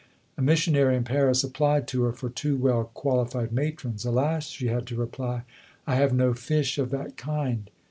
A missionary in Paris applied to her for two well qualified matrons. "Alas," she had to reply, "I have no fish of that kind."